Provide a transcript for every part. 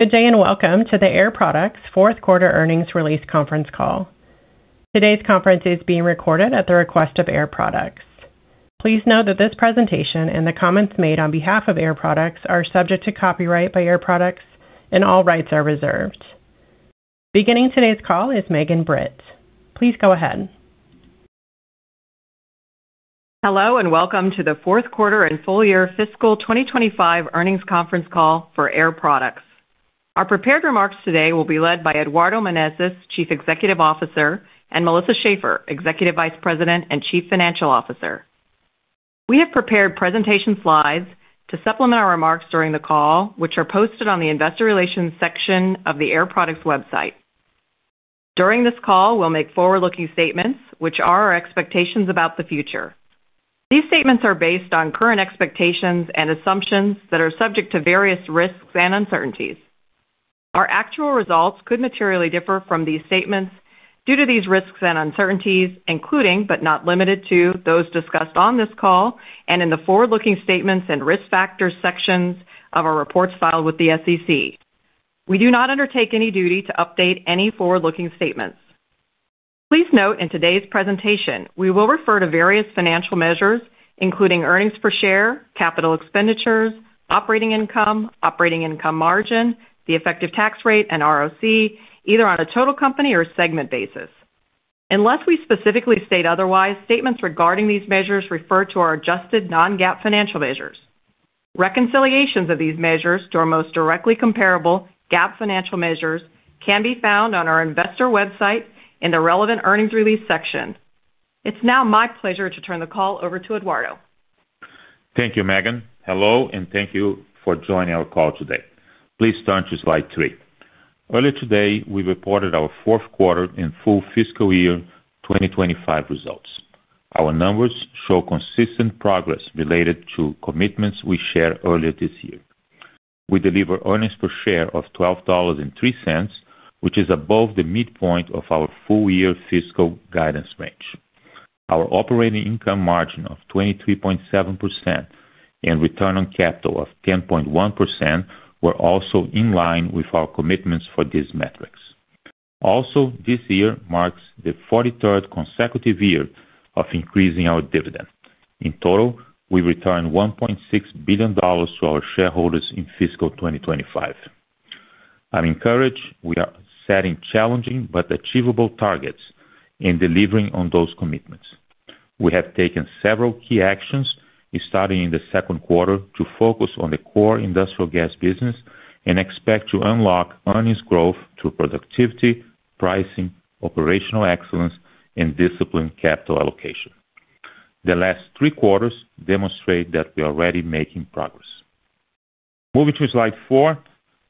Good day and welcome to the Air Products Fourth Quarter Earnings Release Conference call. Today's conference is being recorded at the request of Air Products. Please note that this presentation and the comments made on behalf of Air Products are subject to copyright by Air Products, and all rights are reserved. Beginning today's call is Megan Britt. Please go ahead. Hello and welcome to the Fourth Quarter and Full Year Fiscal 2025 Earnings Conference call for Air Products. Our prepared remarks today will be led by Eduardo Menezes, Chief Executive Officer, and Melissa Schaeffer, Executive Vice President and Chief Financial Officer. We have prepared presentation slides to supplement our remarks during the call, which are posted on the Investor Relations section of the Air Products website. During this call, we'll make forward-looking statements, which are our expectations about the future. These statements are based on current expectations and assumptions that are subject to various risks and uncertainties. Our actual results could materially differ from these statements due to these risks and uncertainties, including but not limited to those discussed on this call and in the forward-looking statements and risk factors sections of our reports filed with the SEC. We do not undertake any duty to update any forward-looking statements. Please note in today's presentation, we will refer to various financial measures, including earnings per share, capital expenditures, operating income, operating income margin, the effective tax rate, and ROC, either on a total company or segment basis. Unless we specifically state otherwise, statements regarding these measures refer to our adjusted non-GAAP financial measures. Reconciliations of these measures to our most directly comparable GAAP financial measures can be found on our Investor website in the relevant earnings release section. It's now my pleasure to turn the call over to Eduardo. Thank you, Megan. Hello, and thank you for joining our call today. Please turn to slide three. Earlier today, we reported our fourth quarter and full fiscal year 2025 results. Our numbers show consistent progress related to commitments we shared earlier this year. We delivered earnings per share of $12.03, which is above the midpoint of our full year fiscal guidance range. Our operating income margin of 23.7% and return on capital of 10.1% were also in line with our commitments for these metrics. Also, this year marks the 43rd consecutive year of increasing our dividend. In total, we returned $1.6 billion to our shareholders in fiscal 2025. I'm encouraged we are setting challenging but achievable targets and delivering on those commitments. We have taken several key actions starting in the second quarter to focus on the core industrial gas business and expect to unlock earnings growth through productivity, pricing, operational excellence, and disciplined capital allocation. The last three quarters demonstrate that we are already making progress. Moving to slide four,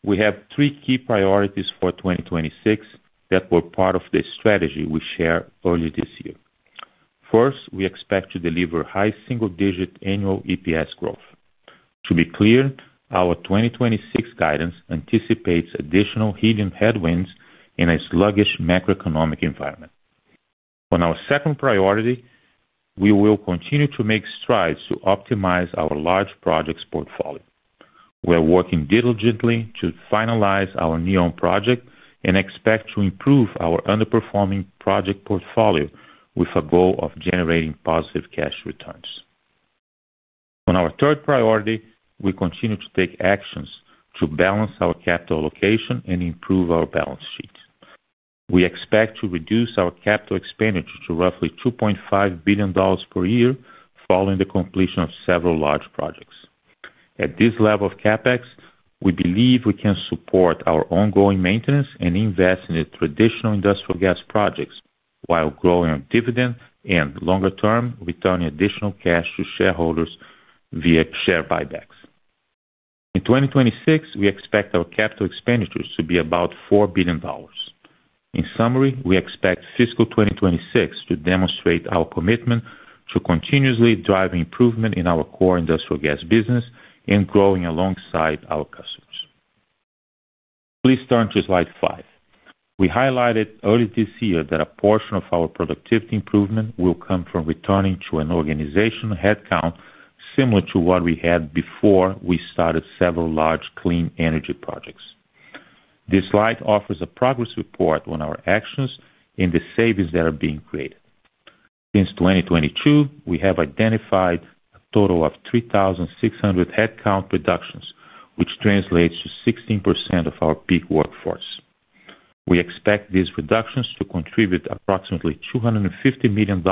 we have three key priorities for 2026 that were part of the strategy we shared earlier this year. First, we expect to deliver high single-digit annual EPS growth. To be clear, our 2026 guidance anticipates additional helium headwinds in a sluggish macroeconomic environment. On our second priority, we will continue to make strides to optimize our large projects portfolio. We are working diligently to finalize our NEOM project and expect to improve our underperforming project portfolio with a goal of generating positive cash returns. On our third priority, we continue to take actions to balance our capital allocation and improve our balance sheet. We expect to reduce our capital expenditure to roughly $2.5 billion per year following the completion of several large projects. At this level of CapEx, we believe we can support our ongoing maintenance and invest in the traditional industrial gas projects while growing our dividend and longer-term returning additional cash to shareholders via share buybacks. In 2026, we expect our capital expenditures to be about $4 billion. In summary, we expect fiscal 2026 to demonstrate our commitment to continuously driving improvement in our core industrial gas business and growing alongside our customers. Please turn to slide five. We highlighted earlier this year that a portion of our productivity improvement will come from returning to an organizational headcount similar to what we had before we started several large clean energy projects. This slide offers a progress report on our actions and the savings that are being created. Since 2022, we have identified a total of 3,600 headcount reductions, which translates to 16% of our peak workforce. We expect these reductions to contribute approximately $250 million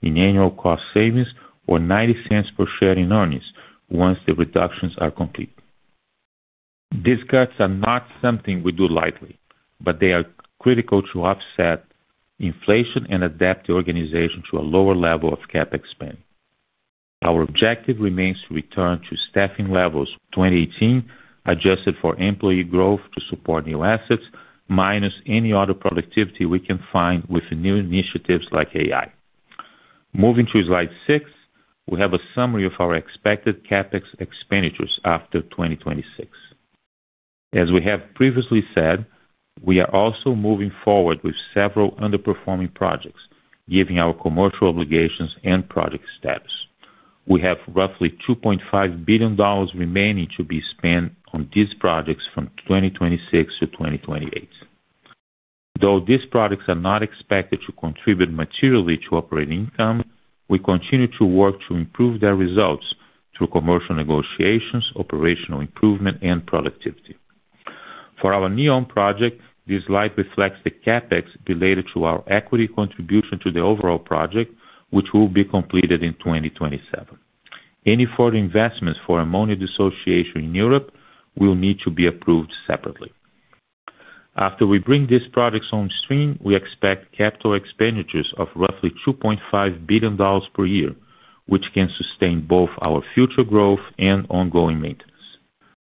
in annual cost savings or $0.90 per share in earnings once the reductions are complete. These cuts are not something we do lightly, but they are critical to offset inflation and adapt the organization to a lower level of CapEx spending. Our objective remains to return to staffing levels 2018 adjusted for employee growth to support new assets minus any other productivity we can find with new initiatives like AI. Moving to slide six, we have a summary of our expected CapEx expenditures after 2026. As we have previously said, we are also moving forward with several underperforming projects, given our commercial obligations and project status. We have roughly $2.5 billion remaining to be spent on these projects from 2026 to 2028. Though these projects are not expected to contribute materially to operating income, we continue to work to improve their results through commercial negotiations, operational improvement, and productivity. For our NEOM project, this slide reflects the CapEx related to our equity contribution to the overall project, which will be completed in 2027. Any further investments for ammonia dissociation in Europe will need to be approved separately. After we bring these projects on stream, we expect capital expenditures of roughly $2.5 billion per year, which can sustain both our future growth and ongoing maintenance.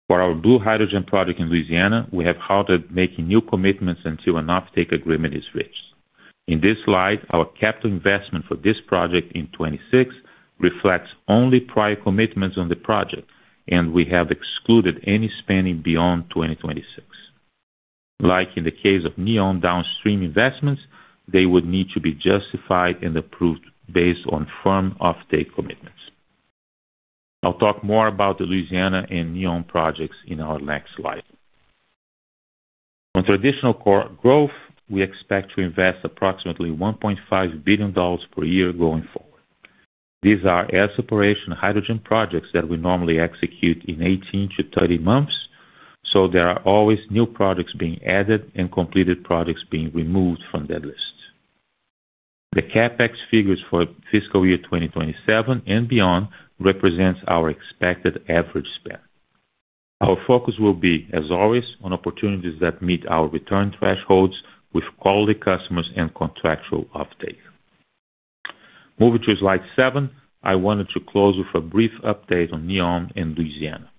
For our blue hydrogen project in Louisiana, we have halted making new commitments until an uptake agreement is reached. In this slide, our capital investment for this project in 2026 reflects only prior commitments on the project, and we have excluded any spending beyond 2026. Like in the case of NEOM downstream investments, they would need to be justified and approved based on firm uptake commitments. I'll talk more about the Louisiana and NEOM projects in our next slide. On traditional growth, we expect to invest approximately $1.5 billion per year going forward. These are Air Separation hydrogen projects that we normally execute in 18-30 months, so there are always new projects being added and completed projects being removed from that list. The CapEx figures for fiscal year 2027 and beyond represent our expected average spend. Our focus will be, as always, on opportunities that meet our return thresholds with quality customers and contractual uptake. Moving to slide seven, I wanted to close with a brief update on NEOM and Louisiana.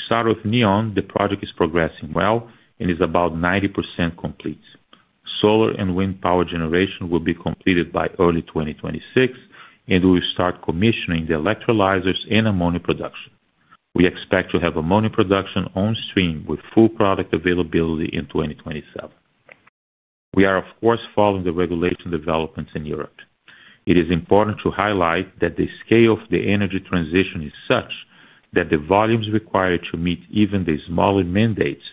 Starting with NEOM, the project is progressing well and is about 90% complete. Solar and wind power generation will be completed by early 2026, and we will start commissioning the electrolyzers and ammonia production. We expect to have ammonia production on stream with full product availability in 2027. We are, of course, following the regulation developments in Europe. It is important to highlight that the scale of the energy transition is such that the volumes required to meet even the smaller mandates,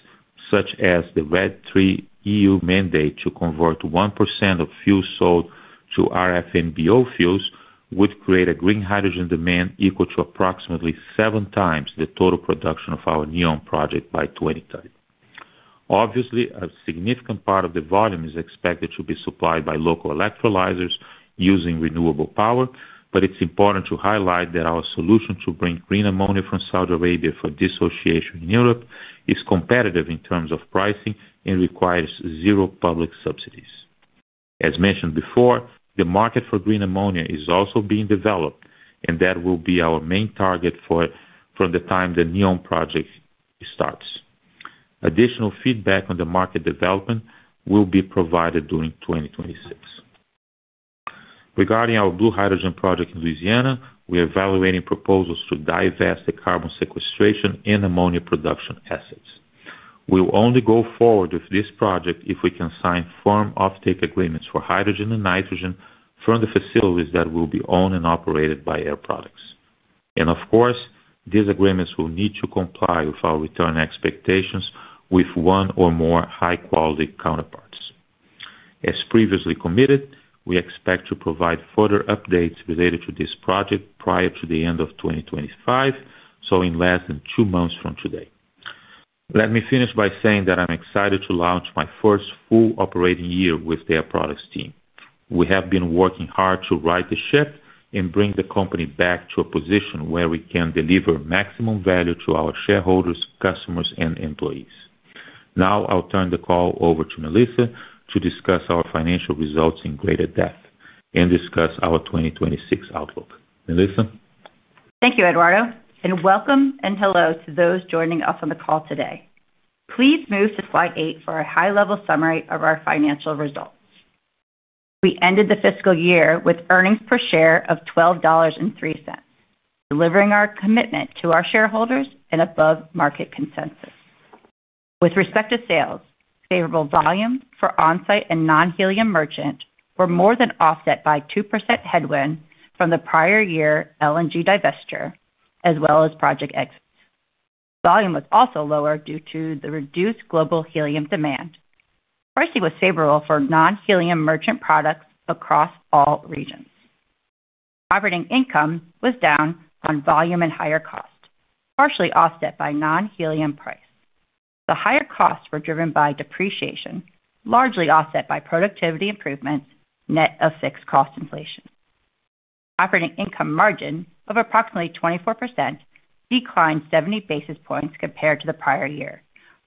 such as the Red III EU mandate to convert 1% of fuel sold to RFNBO fuels, would create a green hydrogen demand equal to approximately 7x the total production of our NEOM project by 2030. Obviously, a significant part of the volume is expected to be supplied by local electrolyzers using renewable power, but it's important to highlight that our solution to bring green ammonia from Saudi Arabia for dissociation in Europe is competitive in terms of pricing and requires zero public subsidies. As mentioned before, the market for green ammonia is also being developed, and that will be our main target from the time the NEOM project starts. Additional feedback on the market development will be provided during 2026. Regarding our blue hydrogen project in Louisiana, we are evaluating proposals to divest the carbon sequestration and ammonia production assets. We will only go forward with this project if we can sign firm uptake agreements for hydrogen and nitrogen from the facilities that will be owned and operated by Air Products. Of course, these agreements will need to comply with our return expectations with one or more high-quality counterparts. As previously committed, we expect to provide further updates related to this project prior to the end of 2025, so in less than two months from today. Let me finish by saying that I'm excited to launch my first full operating year with the Air Products team. We have been working hard to right the ship and bring the company back to a position where we can deliver maximum value to our shareholders, customers, and employees. Now I'll turn the call over to Melissa to discuss our financial results in greater depth and discuss our 2026 outlook. Melissa? Thank you, Eduardo, and welcome and hello to those joining us on the call today. Please move to slide eight for a high-level summary of our financial results. We ended the fiscal year with earnings per share of $12.03, delivering our commitment to our shareholders and above market consensus. With respect to sales, favorable volume for on-site and non-helium merchant were more than offset by 2% headwind from the prior year LNG divestiture, as well as project exits. Volume was also lower due to the reduced global helium demand. Pricing was favorable for non-helium merchant products across all regions. Operating income was down on volume and higher cost, partially offset by non-helium price. The higher costs were driven by depreciation, largely offset by productivity improvements, net of fixed cost inflation. Operating income margin of approximately 24% declined 70 basis points compared to the prior year,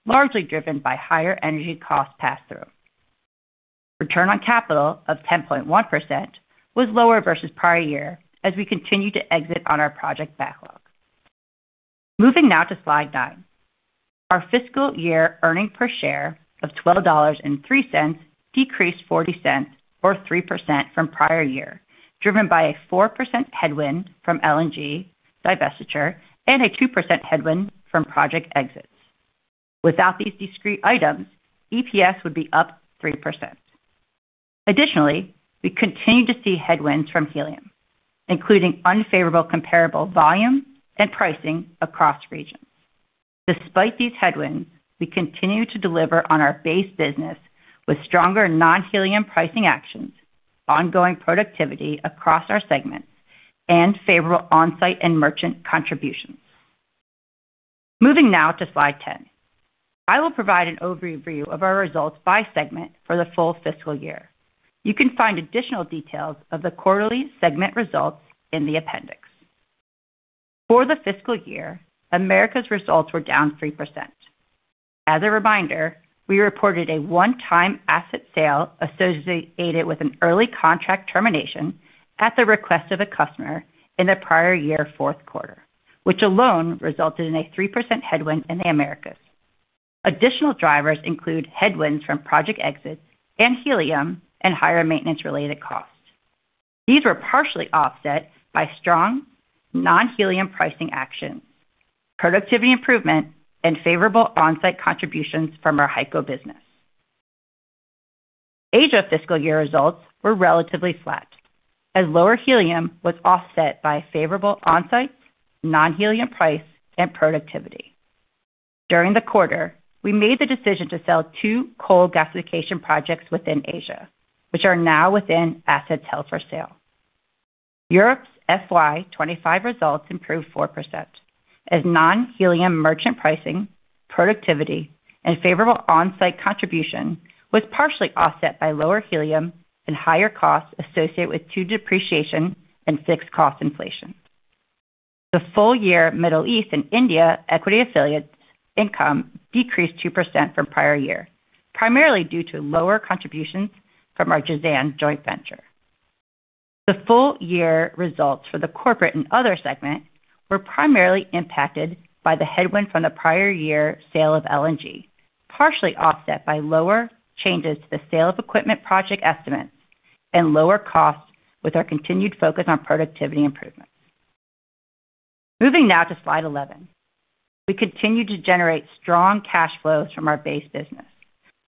largely driven by higher energy cost pass-through. Return on capital of 10.1% was lower versus prior year as we continued to exit on our project backlog. Moving now to slide nine, our fiscal year earning per share of $12.03 decreased $0.40 or 3% from prior year, driven by a 4% headwind from LNG divestiture and a 2% headwind from project exits. Without these discrete items, EPS would be up 3%. Additionally, we continue to see headwinds from helium, including unfavorable comparable volume and pricing across regions. Despite these headwinds, we continue to deliver on our base business with stronger non-helium pricing actions, ongoing productivity across our segments, and favorable on-site and merchant contributions. Moving now to slide 10, I will provide an overview of our results by segment for the full fiscal year. You can find additional details of the quarterly segment results in the appendix. For the fiscal year, Americas results were down 3%. As a reminder, we reported a one-time asset sale associated with an early contract termination at the request of a customer in the prior year fourth quarter, which alone resulted in a 3% headwind in the Americas. Additional drivers include headwinds from project exit and helium and higher maintenance-related costs. These were partially offset by strong non-helium pricing actions, productivity improvement, and favorable on-site contributions from our HyCO business. Asia fiscal year results were relatively flat, as lower helium was offset by favorable on-site, non-helium price, and productivity. During the quarter, we made the decision to sell two coal gasification projects within Asia, which are now within asset sale-for-sale. Europe's FY 2025 results improved 4%, as non-helium merchant pricing, productivity, and favorable on-site contribution was partially offset by lower helium and higher costs associated with two depreciation and fixed cost inflation. The full year Middle East and India equity affiliates' income decreased 2% from prior year, primarily due to lower contributions from our Jazan joint venture. The full year results for the corporate and other segment were primarily impacted by the headwind from the prior year sale of LNG, partially offset by lower changes to the sale of equipment project estimates and lower costs with our continued focus on productivity improvements. Moving now to slide 11, we continue to generate strong cash flows from our base business,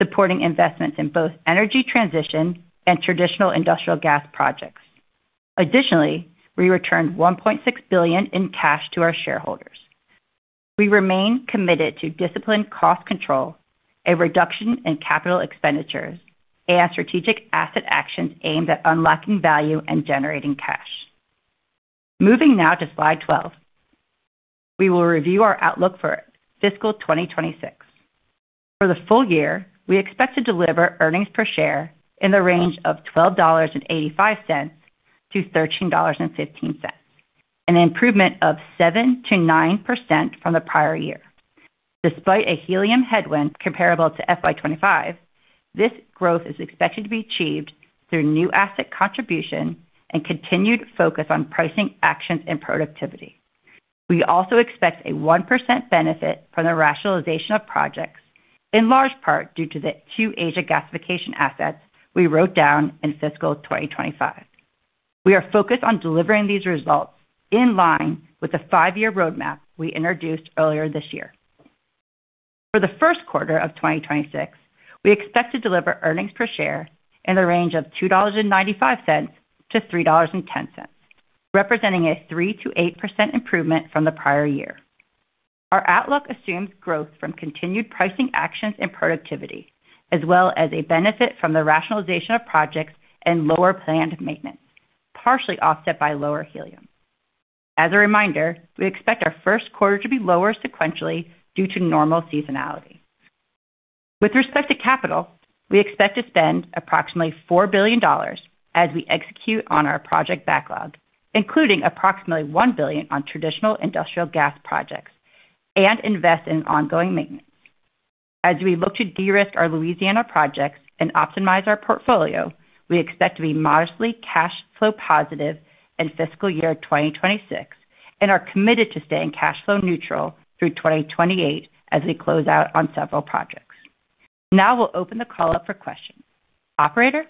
supporting investments in both energy transition and traditional industrial gas projects. Additionally, we returned $1.6 billion in cash to our shareholders. We remain committed to disciplined cost control, a reduction in capital expenditures, and strategic asset actions aimed at unlocking value and generating cash. Moving now to slide 12. We will review our outlook for fiscal 2026. For the full year, we expect to deliver earnings per share in the range of $12.85-$13.15, an improvement of 7%-9% from the prior year. Despite a helium headwind comparable to FY 2025, this growth is expected to be achieved through new asset contribution and continued focus on pricing actions and productivity. We also expect a 1% benefit from the rationalization of projects, in large part due to the two Asia gasification assets we wrote down in fiscal 2025. We are focused on delivering these results in line with the five-year roadmap we introduced earlier this year. For the first quarter of 2026, we expect to deliver earnings per share in the range of $2.95-$3.10, representing a 3%-8% improvement from the prior year. Our outlook assumes growth from continued pricing actions and productivity, as well as a benefit from the rationalization of projects and lower planned maintenance, partially offset by lower helium. As a reminder, we expect our first quarter to be lower sequentially due to normal seasonality. With respect to capital, we expect to spend approximately $4 billion as we execute on our project backlog, including approximately $1 billion on traditional industrial gas projects, and invest in ongoing maintenance. As we look to de-risk our Louisiana projects and optimize our portfolio, we expect to be modestly cash flow positive in fiscal year 2026 and are committed to staying cash flow neutral through 2028 as we close out on several projects. Now we'll open the call up for questions. Operator.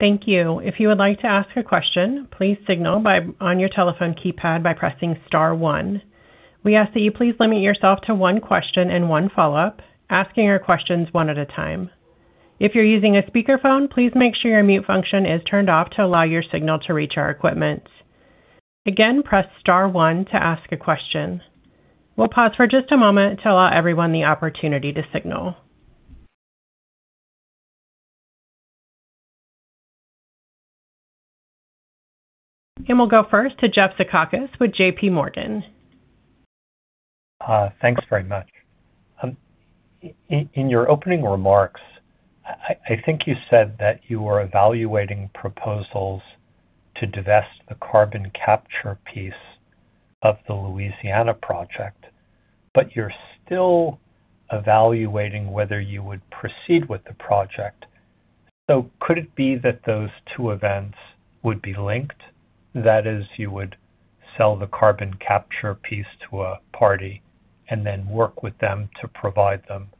Thank you. If you would like to ask a question, please signal on your telephone keypad by pressing star one. We ask that you please limit yourself to one question and one follow-up, asking your questions one at a time. If you're using a speakerphone, please make sure your mute function is turned off to allow your signal to reach our equipment. Again, press star one to ask a question. We'll pause for just a moment to allow everyone the opportunity to signal. We will go first to Jeff Zekauskas with JPMorgan. Thanks very much. In your opening remarks, I think you said that you were evaluating proposals to divest the Carbon Capture piece of the Louisiana project, but you're still evaluating whether you would proceed with the project. Could it be that those two events would be linked, that is, you would sell the Carbon Capture piece to a party and then work with them to provide them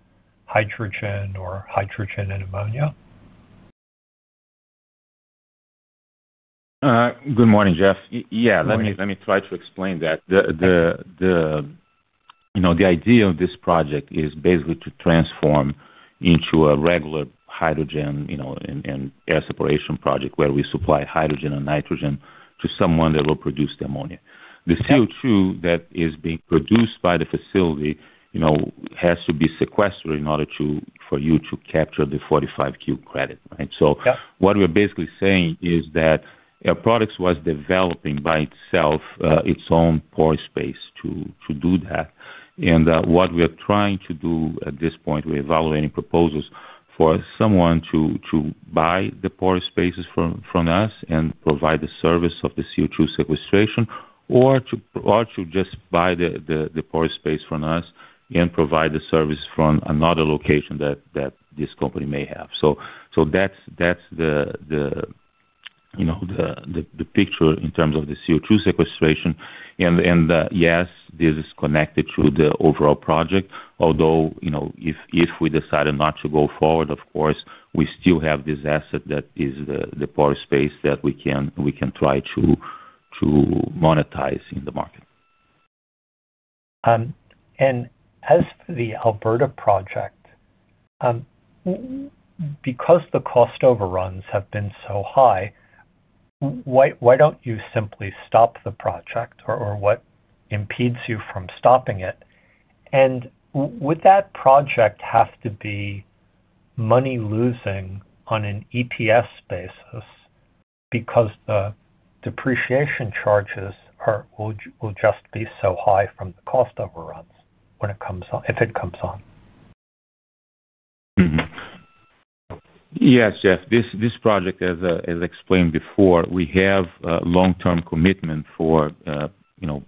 hydrogen or hydrogen and ammonia? Good morning, Jeff. Yeah, let me try to explain that. The idea of this project is basically to transform into a regular hydrogen and Air Separation project where we supply hydrogen and nitrogen to someone that will produce the ammonia. The CO2 that is being produced by the facility has to be sequestered in order for you to capture the 45Q credit. What we're basically saying is that Air Products was developing by itself its own pore space to do that. What we are trying to do at this point, we're evaluating proposals for someone to buy the pore space from us and provide the service of the CO2 sequestration or to just buy the pore space from us and provide the service from another location that this company may have. That's the picture in terms of the CO2 sequestration. Yes, this is connected to the overall project, although if we decided not to go forward, of course, we still have this asset that is the pore space that we can try to monetize in the market. As for the Alberta project. Because the cost overruns have been so high. Why do you not simply stop the project or what impedes you from stopping it? Would that project have to be money-losing on an EPS basis because the depreciation charges will just be so high from the cost overruns when it comes on, if it comes on? Yes, Jeff. This project, as explained before, we have a long-term commitment for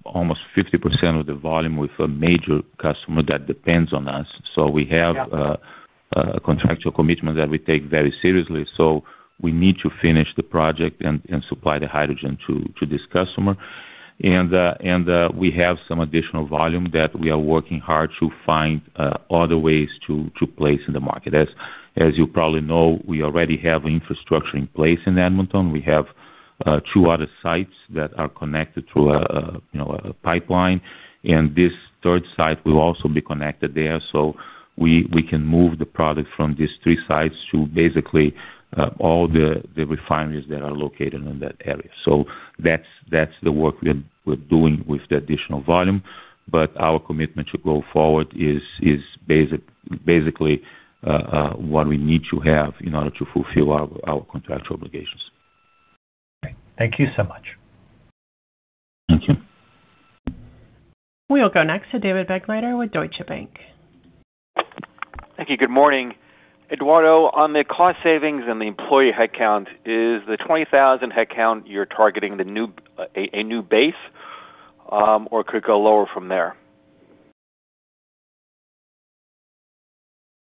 almost 50% of the volume with a major customer that depends on us. We have a contractual commitment that we take very seriously. We need to finish the project and supply the hydrogen to this customer. We have some additional volume that we are working hard to find other ways to place in the market. As you probably know, we already have infrastructure in place in Edmonton. We have two other sites that are connected through a pipeline. This third site will also be connected there. We can move the product from these three sites to basically all the refineries that are located in that area. That is the work we are doing with the additional volume. Our commitment to go forward is basically. What we need to have in order to fulfill our contractual obligations. Thank you so much. Thank you. We'll go next to David Begleiter with Deutsche Bank. Thank you. Good morning. Eduardo, on the cost savings and the employee headcount, is the 20,000 headcount you're targeting a new base? Or could it go lower from there?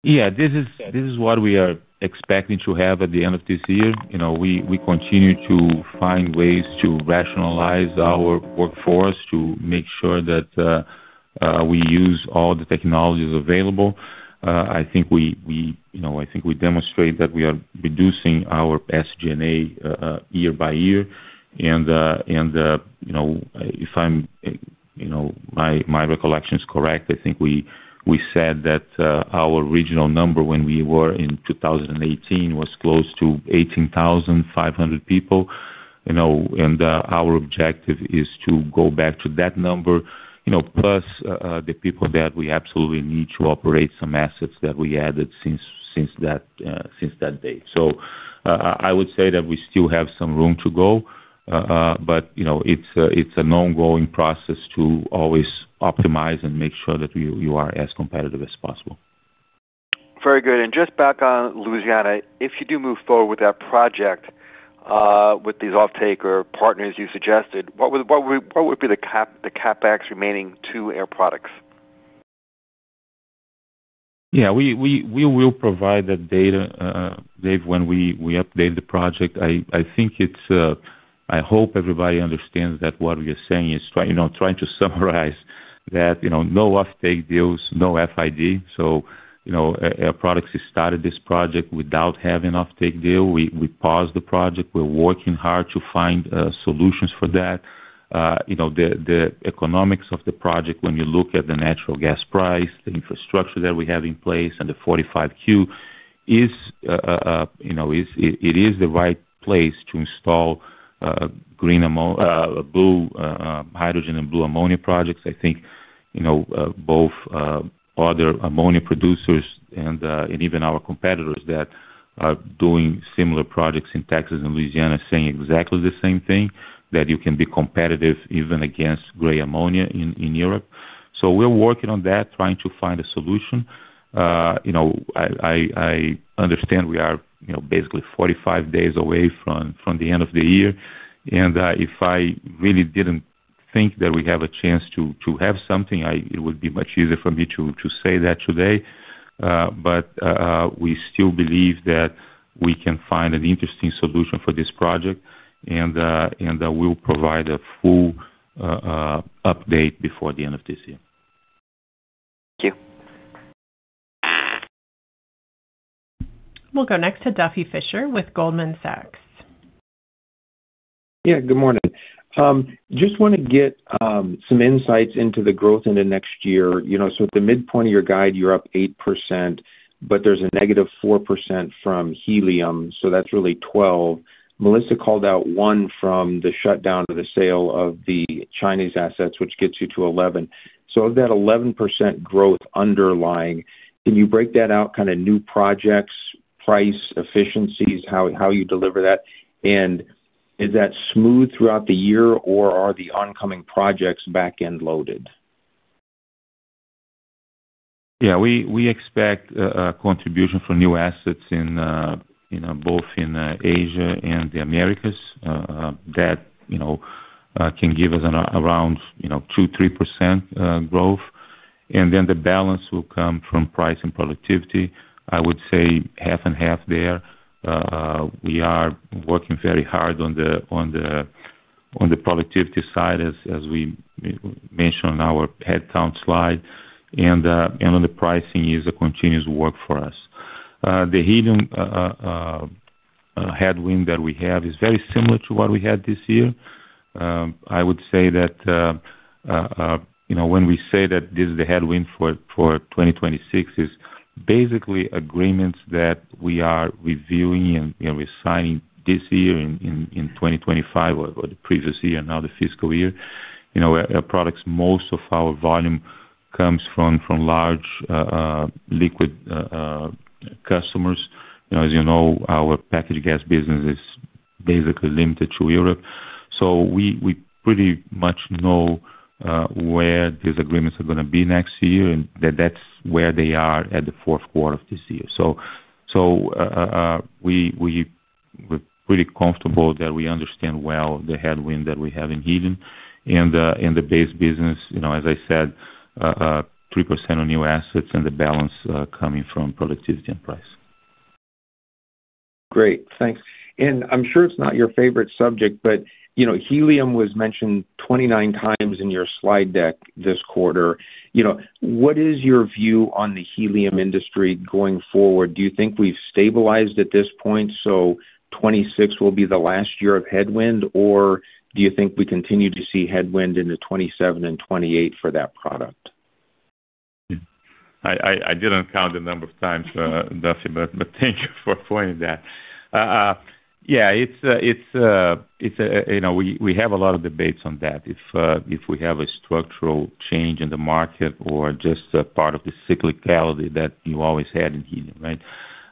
Yeah, this is what we are expecting to have at the end of this year. We continue to find ways to rationalize our workforce to make sure that we use all the technologies available. I think we demonstrate that we are reducing our SG&A year by year. If my recollection is correct, I think we said that our regional number when we were in 2018 was close to 18,500 people. Our objective is to go back to that number plus the people that we absolutely need to operate some assets that we added since that day. I would say that we still have some room to go, but it is an ongoing process to always optimize and make sure that you are as competitive as possible. Very good. Just back on Louisiana, if you do move forward with that project, with these off-taker partners you suggested, what would be the CapEx remaining to Air Products? Yeah, we will provide that data, Dave, when we update the project. I hope everybody understands that what we are saying is trying to summarize that no off-take deals, no FID. Air Products started this project without having an off-take deal. We paused the project. We're working hard to find solutions for that. The economics of the project, when you look at the natural gas price, the infrastructure that we have in place, and the 45Q, it is the right place to install blue hydrogen and blue ammonia projects. I think both other ammonia producers and even our competitors that are doing similar projects in Texas and Louisiana are saying exactly the same thing, that you can be competitive even against gray ammonia in Europe. We're working on that, trying to find a solution. I understand we are basically 45 days away from the end of the year. If I really did not think that we have a chance to have something, it would be much easier for me to say that today. We still believe that we can find an interesting solution for this project, and we will provide a full update before the end of this year. Thank you. We'll go next to Duffy Fisher with Goldman Sachs. Yeah, good morning. Just want to get some insights into the growth in the next year. At the midpoint of your guide, you're up 8%, but there's a -4% from helium. That's really 12%. Melissa called out 1% from the shutdown of the sale of the Chinese assets, which gets you to 11%. Of that 11% growth underlying, can you break that out? Kind of new projects, price efficiencies, how you deliver that. Is that smooth throughout the year, or are the oncoming projects back-end loaded? Yeah, we expect contribution from new assets, both in Asia and the Americas, that can give us around 2%-3% growth. The balance will come from price and productivity. I would say half and half there. We are working very hard on the productivity side, as we mentioned on our headcount slide. The pricing is a continuous work for us. The helium headwind that we have is very similar to what we had this year. I would say that when we say that this is the headwind for 2026, it's basically agreements that we are reviewing and we're signing this year in 2025 or the previous year, now the fiscal year. Air Products, most of our volume comes from large liquid customers. As you know, our packaged gas business is basically limited to Europe, so we pretty much know. Where these agreements are going to be next year, and that's where they are at the fourth quarter of this year. We are pretty comfortable that we understand well the headwind that we have in helium. And the base business, as I said, 3% on new assets and the balance coming from productivity and price. Great. Thanks. I'm sure it's not your favorite subject, but helium was mentioned 29 times in your slide deck this quarter. What is your view on the helium industry going forward? Do you think we've stabilized at this point, so 2026 will be the last year of headwind, or do you think we continue to see headwind in 2027 and 2028 for that product? I did not count the number of times, Duffy, but thank you for pointing that out. Yeah, we have a lot of debates on that. If we have a structural change in the market or just part of the cyclicality that you always had in helium, right?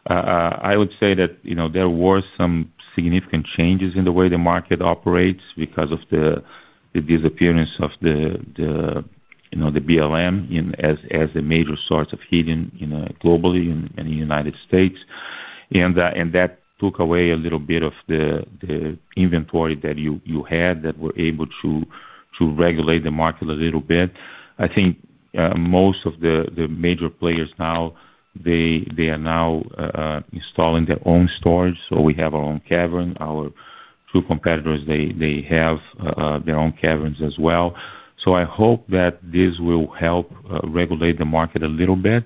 I would say that there were some significant changes in the way the market operates because of the disappearance of the BLM as a major source of helium globally in the United States. That took away a little bit of the inventory that you had that was able to regulate the market a little bit. I think most of the major players now are installing their own storage. We have our own cavern. Our true competitors, they have their own caverns as well. I hope that this will help regulate the market a little bit.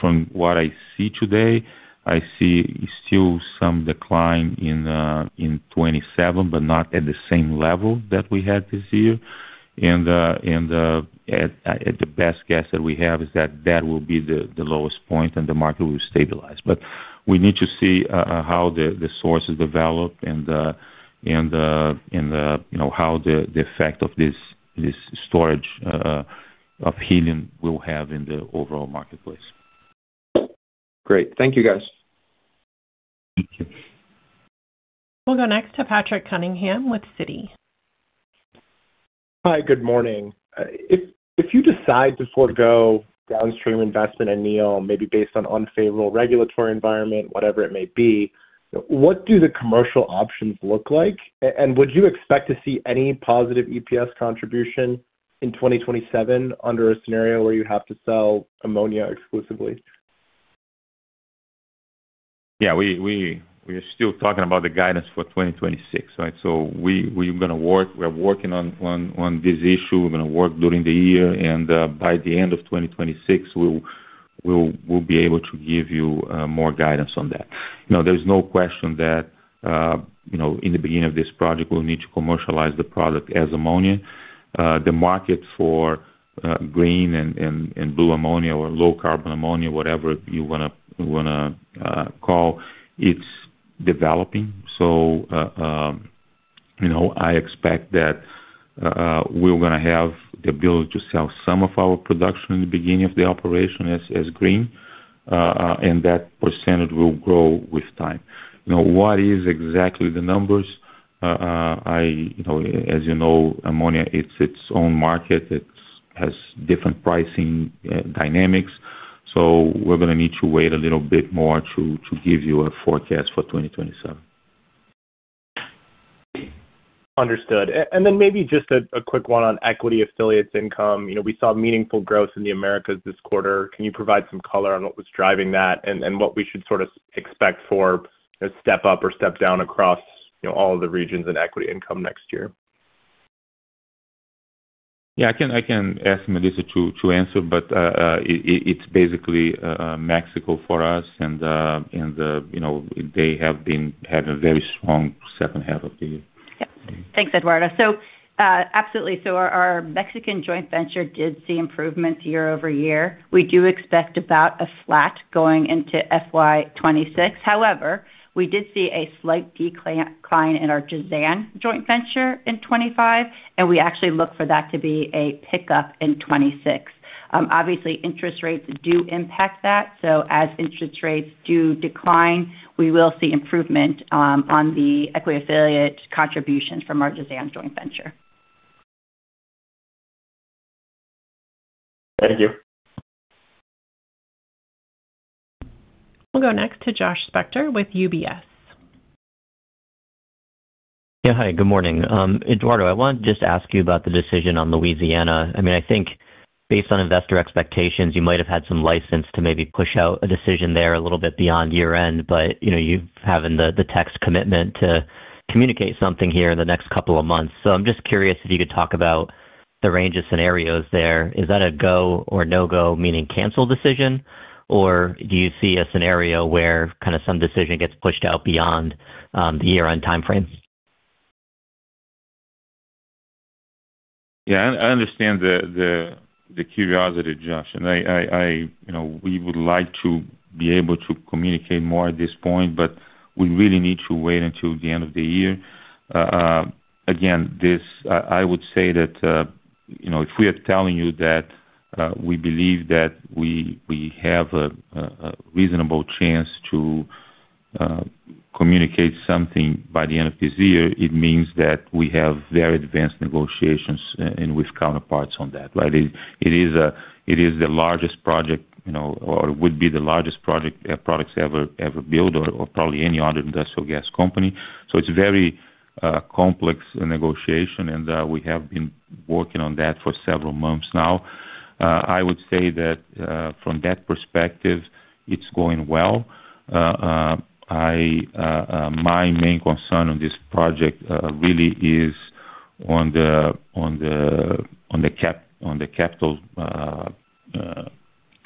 From what I see today, I see still some decline in 2027, but not at the same level that we had this year. The best guess that we have is that that will be the lowest point, and the market will stabilize. We need to see how the sources develop and how the effect of this storage of helium will have in the overall marketplace. Great. Thank you, guys. Thank you. We'll go next to Patrick Cunningham with Citi. Hi, good morning. If you decide to forego downstream investment in NEOM, maybe based on unfavorable regulatory environment, whatever it may be, what do the commercial options look like? Would you expect to see any positive EPS contribution in 2027 under a scenario where you have to sell ammonia exclusively? Yeah, we are still talking about the guidance for 2026, right? We are going to work. We are working on this issue. We are going to work during the year. By the end of 2026, we will be able to give you more guidance on that. There is no question that in the beginning of this project, we will need to commercialize the product as ammonia. The market for green and blue ammonia or low carbon ammonia, whatever you want to call it, is developing. I expect that we are going to have the ability to sell some of our production in the beginning of the operation as green, and that percentage will grow with time. What is exactly the numbers? As you know, ammonia is its own market. It has different pricing dynamics. We are going to need to wait a little bit more to give you a forecast for 2027. Understood. Maybe just a quick one on equity affiliates income. We saw meaningful growth in the Americas this quarter. Can you provide some color on what was driving that and what we should sort of expect for a step up or step down across all of the regions in equity income next year? Yeah, I can ask Melissa to answer, but it's basically Mexico for us, and they have been having a very strong second half of the year. Yep. Thanks, Eduardo. Absolutely. Our Mexican joint venture did see improvements year over year. We do expect about a flat going into fiscal year 2026. However, we did see a slight decline in our Jazan joint venture in 2025, and we actually look for that to be a pickup in 2026. Obviously, interest rates do impact that. As interest rates do decline, we will see improvement on the equity affiliate contributions from our Jazan joint venture. Thank you. We'll go next to Josh Spector with UBS. Yeah, hi. Good morning. Eduardo, I wanted to just ask you about the decision on Louisiana. I mean, I think based on investor expectations, you might have had some license to maybe push out a decision there a little bit beyond year-end, but you have the text commitment to communicate something here in the next couple of months. I am just curious if you could talk about the range of scenarios there. Is that a go or no-go, meaning cancel decision, or do you see a scenario where kind of some decision gets pushed out beyond the year-end timeframe? Yeah, I understand the curiosity, Josh. We would like to be able to communicate more at this point, but we really need to wait until the end of the year. Again, I would say that if we are telling you that we believe that we have a reasonable chance to communicate something by the end of this year, it means that we have very advanced negotiations with counterparts on that, right? It is the largest project, or it would be the largest project Air Products ever built or probably any other industrial gas company. It is a very complex negotiation, and we have been working on that for several months now. I would say that from that perspective, it's going well. My main concern on this project really is on the capital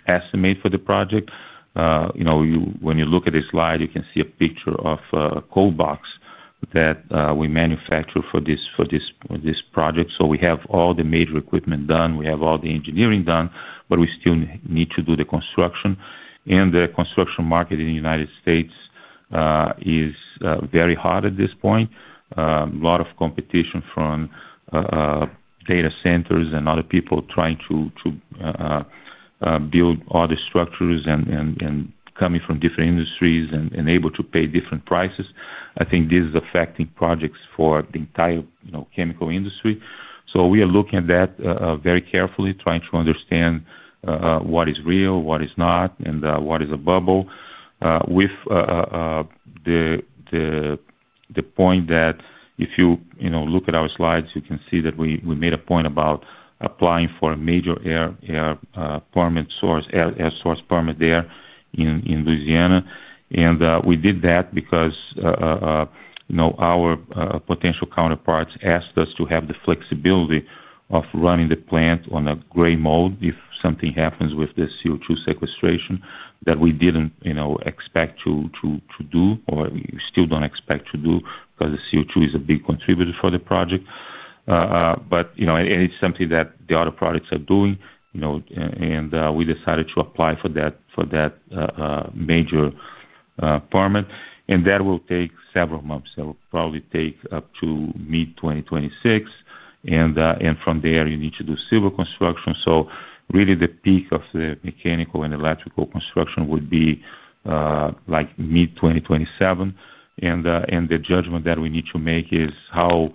estimate for the project. When you look at this slide, you can see a picture of a Cold Box that we manufacture for this project. We have all the major equipment done. We have all the engineering done, but we still need to do the construction. The construction market in the U.S. is very hot at this point. A lot of competition from data centers and other people trying to build other structures and coming from different industries and able to pay different prices. I think this is affecting projects for the entire chemical industry. We are looking at that very carefully, trying to understand what is real, what is not, and what is a bubble. The point that if you look at our slides, you can see that we made a point about applying for a major air permit source, air source permit there in Louisiana. We did that because our potential counterparts asked us to have the flexibility of running the plant on a gray mode if something happens with the CO2 sequestration that we did not expect to do or still do not expect to do because the CO2 is a big contributor for the project. It is something that other products are doing. We decided to apply for that major permit, and that will take several months. That will probably take up to mid-2026. From there, you need to do civil construction. Really, the peak of the mechanical and electrical construction would be like mid-2027. The judgment that we need to make is how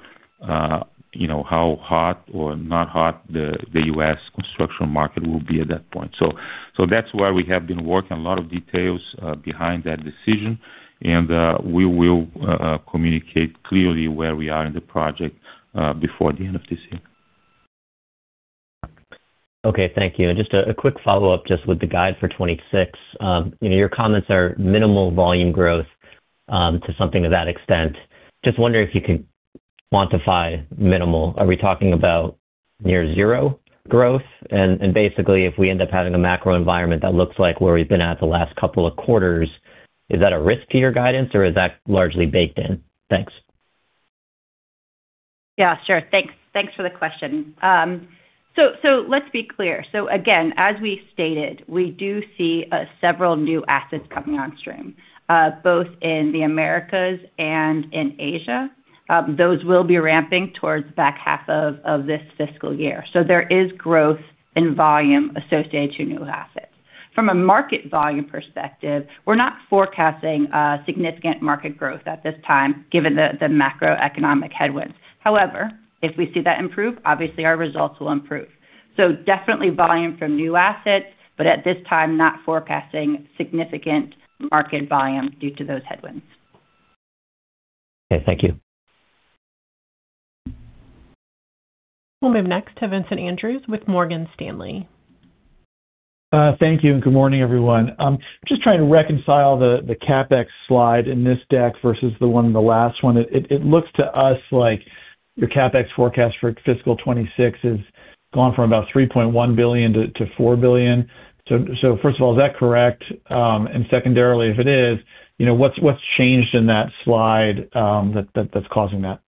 hot or not hot the U.S. construction market will be at that point. That is where we have been working a lot of details behind that decision. We will communicate clearly where we are in the project before the end of this year. Okay. Thank you. Just a quick follow-up, just with the guide for 2026. Your comments are minimal volume growth, to something to that extent. Just wondering if you can quantify minimal. Are we talking about near zero growth? Basically, if we end up having a macro environment that looks like where we've been at the last couple of quarters, is that a risk to your guidance, or is that largely baked in? Thanks. Yeah, sure. Thanks for the question. Let's be clear. Again, as we stated, we do see several new assets coming on stream, both in the Americas and in Asia. Those will be ramping towards the back half of this fiscal year. There is growth in volume associated to new assets. From a market volume perspective, we're not forecasting significant market growth at this time, given the macroeconomic headwinds. However, if we see that improve, obviously, our results will improve. Definitely volume from new assets, but at this time, not forecasting significant market volume due to those headwinds. Okay. Thank you. We'll move next to Vincent Andrews with Morgan Stanley. Thank you. Good morning, everyone. I'm just trying to reconcile the CapEx slide in this deck versus the one in the last one. It looks to us like your CapEx forecast for fiscal 2026 has gone from about $3.1 billion to $4 billion. First of all, is that correct? Secondarily, if it is, what's changed in that slide that's causing that?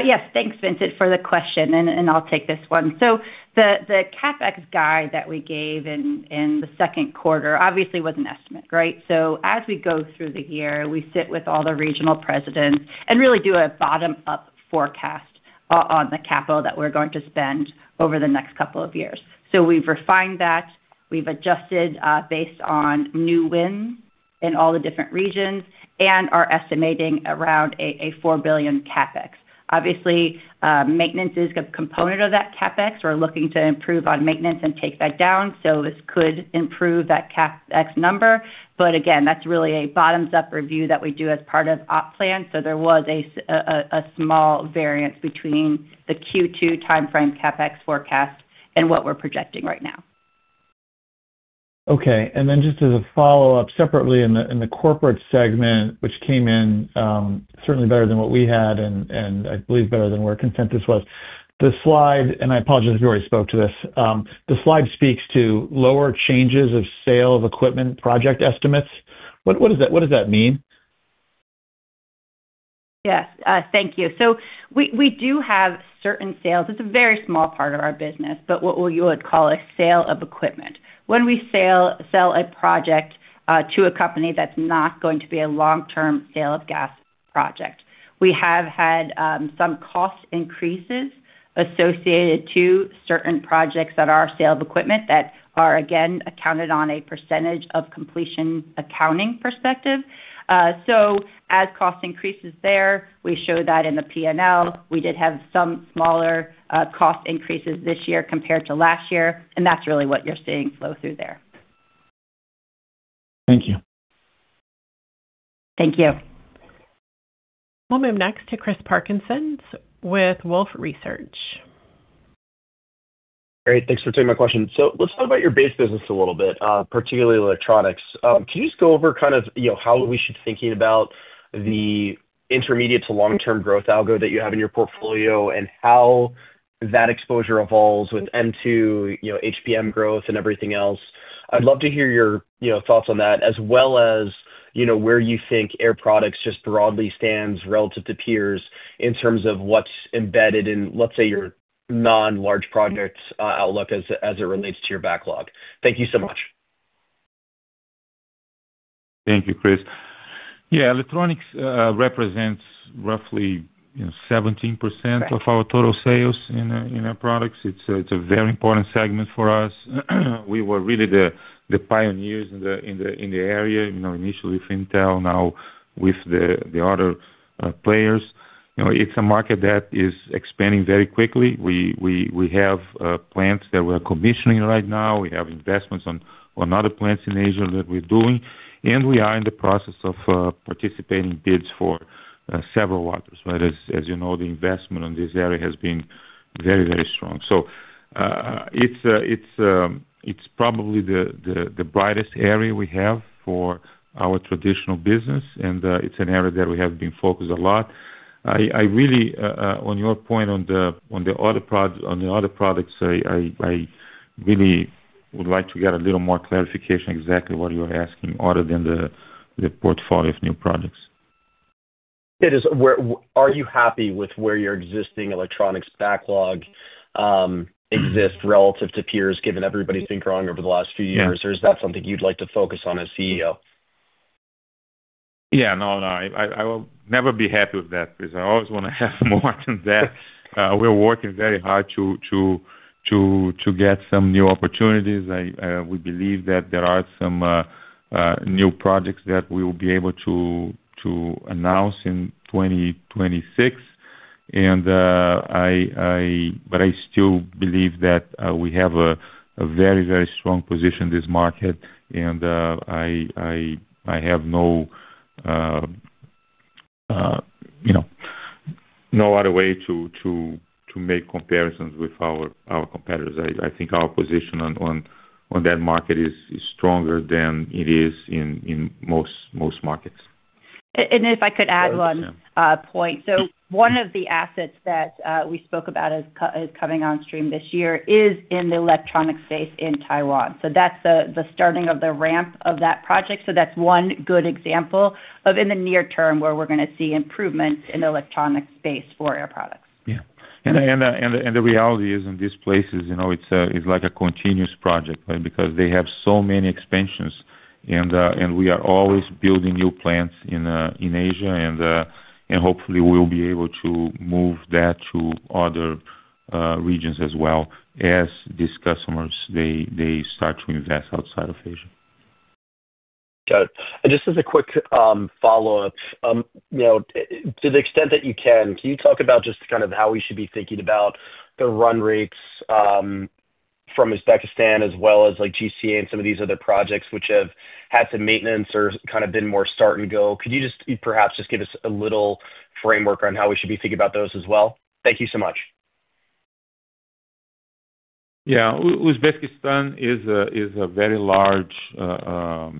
Yes. Thanks, Vincent, for the question, and I'll take this one. The CapEx guide that we gave in the second quarter obviously was an estimate, right? As we go through the year, we sit with all the regional presidents and really do a bottom-up forecast on the capital that we're going to spend over the next couple of years. We've refined that. We've adjusted based on new wins in all the different regions and are estimating around a $4 billion CapEx. Obviously, maintenance is a component of that CapEx. We're looking to improve on maintenance and take that down so it could improve that CapEx number. Again, that's really a bottoms-up review that we do as part of [OPPLAN]. There was a small variance between the Q2 timeframe CapEx forecast and what we're projecting right now. Okay. And then just as a follow-up separately in the corporate segment, which came in. Certainly better than what we had and I believe better than where consensus was. I apologize if you already spoke to this. The slide speaks to lower changes of sale of equipment project estimates. What does that mean? Yes. Thank you. We do have certain sales. It's a very small part of our business, but what you would call a sale of equipment. When we sell a project to a company, that's not going to be a long-term sale of gas project. We have had some cost increases associated to certain projects that are sale of equipment that are, again, accounted on a percentage of completion accounting perspective. As cost increases there, we show that in the P&L. We did have some smaller cost increases this year compared to last year. That's really what you're seeing flow through there. Thank you. Thank you. We'll move next to Chris Parkinson with Wolfe Research. Great. Thanks for taking my question. Let's talk about your base business a little bit, particularly electronics. Can you just go over kind of how we should be thinking about the intermediate to long-term growth algo that you have in your portfolio and how that exposure evolves with M2, HPM growth, and everything else? I'd love to hear your thoughts on that, as well as where you think Air Products just broadly stands relative to peers in terms of what's embedded in, let's say, your non-large projects outlook as it relates to your backlog. Thank you so much. Thank you, Chris. Yeah, electronics represents roughly 17% of our total sales in Air Products. It's a very important segment for us. We were really the pioneers in the area initially with Intel, now with the other players. It's a market that is expanding very quickly. We have plants that we are commissioning right now. We have investments on other plants in Asia that we're doing. We are in the process of participating in bids for several others. As you know, the investment in this area has been very, very strong. It's probably the brightest area we have for our traditional business, and it's an area that we have been focused a lot. I really, on your point on the other products, I really would like to get a little more clarification exactly what you're asking other than the portfolio of new products. Are you happy with where your existing electronics backlog exists relative to peers given everybody's been growing over the last few years, or is that something you'd like to focus on as CEO? Yeah. No, no. I will never be happy with that, Chris. I always want to have more than that. We're working very hard to get some new opportunities. We believe that there are some new projects that we will be able to announce in 2026. I still believe that we have a very, very strong position in this market, and I have no other way to make comparisons with our competitors. I think our position on that market is stronger than it is in most markets. If I could add one point. One of the assets that we spoke about is coming on stream this year in the electronics space in Taiwan. That is the starting of the ramp of that project. That is one good example of in the near term where we are going to see improvements in the electronics space for Air Products. Yeah. The reality is in these places, it's like a continuous project because they have so many expansions, and we are always building new plants in Asia. Hopefully, we'll be able to move that to other regions as well as these customers start to invest outside of Asia. Got it. Just as a quick follow-up, to the extent that you can, can you talk about just kind of how we should be thinking about the run rates from Uzbekistan as well as GCA and some of these other projects which have had some maintenance or kind of been more start and go? Could you just perhaps give us a little framework on how we should be thinking about those as well? Thank you so much. Yeah. Uzbekistan is a very large syngas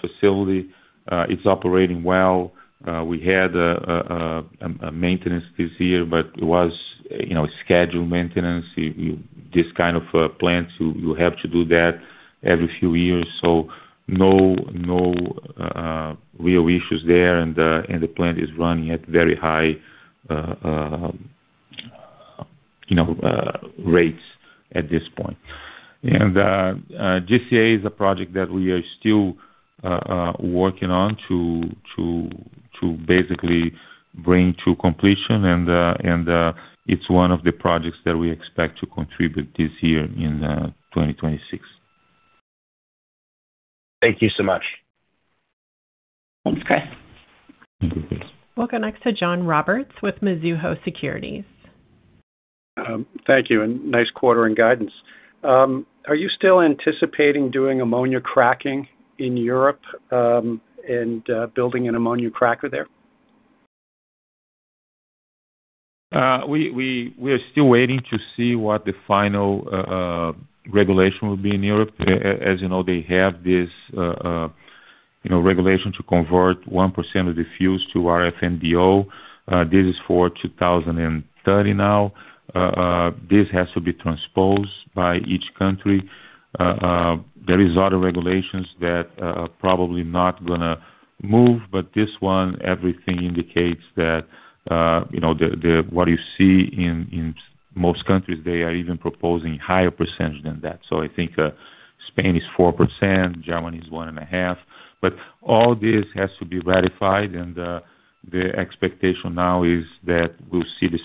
facility. It's operating well. We had a maintenance this year, but it was scheduled maintenance. This kind of plant, you have to do that every few years. No real issues there, and the plant is running at very high rates at this point. GCA is a project that we are still working on to basically bring to completion. It's one of the projects that we expect to contribute this year in 2026. Thank you so much. Thanks, Chris. Thank you, Chris. We'll go next to John Roberts with Mizuho Securities. Thank you. Nice quarter in guidance. Are you still anticipating doing ammonia cracking in Europe? Are you building an ammonia cracker there? We are still waiting to see what the final regulation will be in Europe. As you know, they have this regulation to convert 1% of the fuels to RFNBO. This is for 2030 now. This has to be transposed by each country. There are other regulations that are probably not going to move, but this one, everything indicates that what you see in most countries, they are even proposing a higher percentage than that. I think Spain is 4%, Germany is 1.5%. All this has to be ratified, and the expectation now is that we'll see this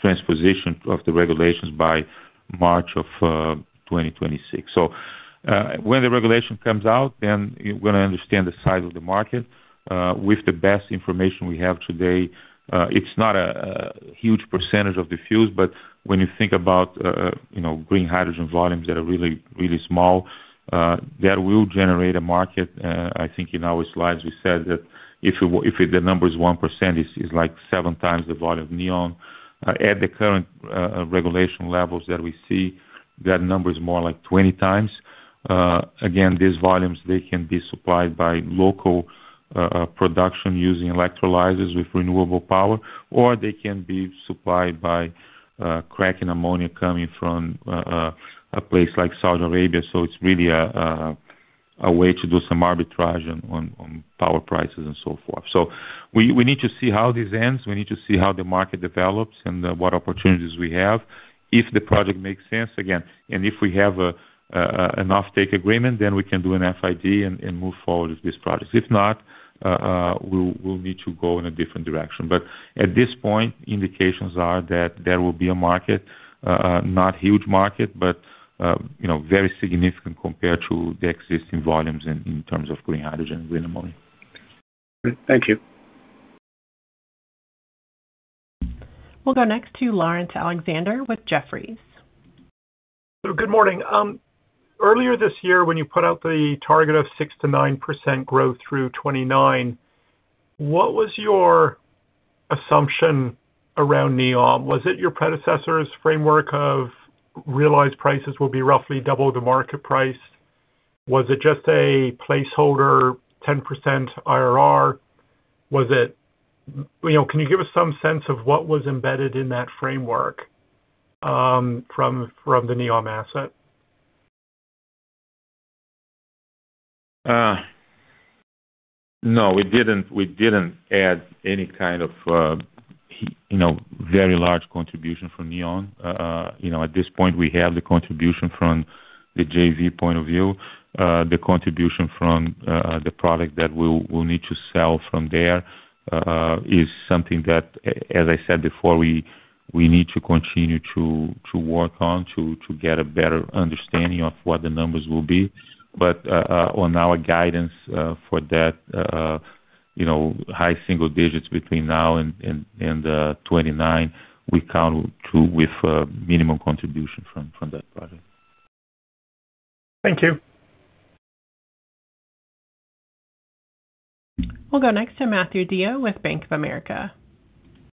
transposition of the regulations by March of 2026. When the regulation comes out, then you're going to understand the size of the market. With the best information we have today, it's not a huge percentage of the fuels, but when you think about. Green hydrogen volumes that are really, really small. That will generate a market. I think in our slides, we said that if the number is 1%, it's like 7x the volume of neon. At the current regulation levels that we see, that number is more like 2x. Again, these volumes, they can be supplied by local production using electrolyzers with renewable power, or they can be supplied by cracking ammonia coming from a place like Saudi Arabia. It is really a way to do some arbitrage on power prices and so forth. We need to see how this ends. We need to see how the market develops and what opportunities we have if the project makes sense. Again, and if we have an offtake agreement, then we can do an FID and move forward with this project. If not, we'll need to go in a different direction. At this point, indications are that there will be a market, not a huge market, but very significant compared to the existing volumes in terms of green hydrogen and green ammonia. Thank you. We'll go next to Laurence Alexander with Jefferies. Good morning. Earlier this year, when you put out the target of 6%-9% growth through 2029, what was your assumption around NEOM? Was it your predecessor's framework of realized prices will be roughly double the market price? Was it just a placeholder 10% IRR? Can you give us some sense of what was embedded in that framework from the NEOM asset? No, we did not add any kind of very large contribution from NEOM. At this point, we have the contribution from the JV point-of-view. The contribution from the product that we will need to sell from there is something that, as I said before, we need to continue to work on to get a better understanding of what the numbers will be. On our guidance for that high single-digits between now and 2029, we count with minimum contribution from that project. Thank you. We'll go next to Matthew DeYoe with Bank of America.